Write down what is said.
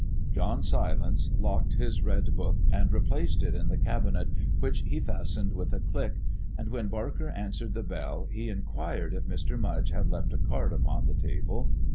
John Silence locked his red book and replaced it in the cabinet, which he fastened with a click, and when Barker answered the bell he inquired if Mr. Mudge had left a card upon the table.